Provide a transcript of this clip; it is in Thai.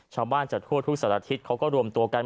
ชาวบ้านจากทั่วทุกสัตว์อาทิตย์เขาก็รวมตัวกัน